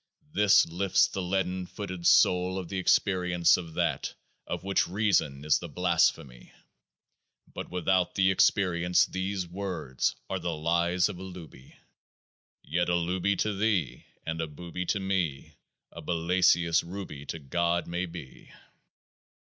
This lifts the leaden footed soul to the Ex perience of THAT of which Reason is the blasphemy. But without the Experience these words are the Lies of a Looby. Yet a Looby to thee, and a Booby to me, a Balassius Ruby to GOD, may be